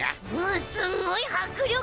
んすごいはくりょく！